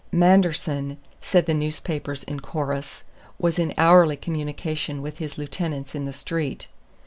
Manderson, said the newspapers in chorus, was in hourly communication with his lieutenants in the Street.